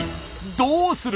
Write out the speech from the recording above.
どうする？